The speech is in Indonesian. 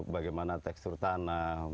bagaimana tekstur tanah